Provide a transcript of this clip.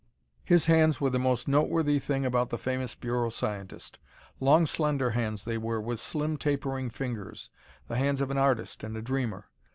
His hands were the most noteworthy thing about the famous Bureau scientist. Long slender hands, they were, with slim tapering fingers the hands of an artist and a dreamer.